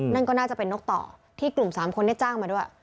นั่นก็น่าจะเป็นนกต่อที่กลุ่ม๓คนได้จ้างมาด้วย